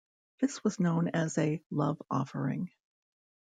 This was known as a "love offering".